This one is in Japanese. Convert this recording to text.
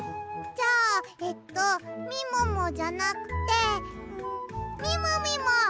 じゃあえっとみももじゃなくてみもみも！